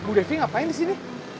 bu devi ngapain disini